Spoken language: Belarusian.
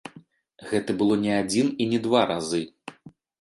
Гэта было не адзін і не два разы.